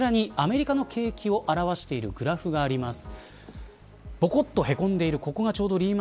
こちらにアメリカの景気を表しているグラフがあります。